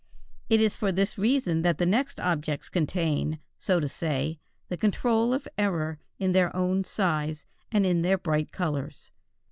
It is for this reason that the next objects contain, so to say, the control of error in their own size and in their bright colors.